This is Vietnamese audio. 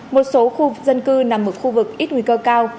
một số khu dân cư nằm ở khu vực ít nguy cơ cao